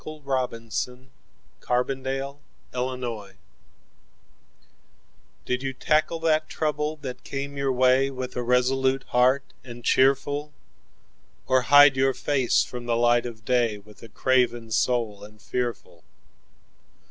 LE C7727imp Robarts Library 1Did you tackle that trouble that came your way2 With a resolute heart and cheerful?3Or hide your face from the light of day4 With a craven soul and fearful?